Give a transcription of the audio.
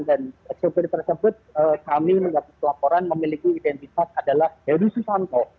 dan supir tersebut kami melihat di laporan memiliki identitas adalah heru susanto